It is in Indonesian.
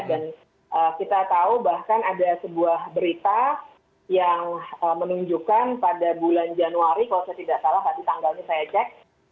dan kita tahu bahkan ada sebuah berita yang menunjukkan pada bulan januari kalau saya tidak salah tadi tanggalnya saya cek